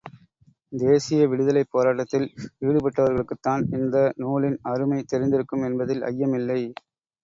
தேசிய விடுதலைப் போராட்டத்தில் ஈடுபட்டவர்களுக்குத்தான் இந்த நூலின் அருமை தெரிந்திருக்கும் என்பதில் ஐயமில்லை.